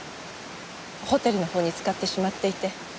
ホテルのほうに使ってしまっていて。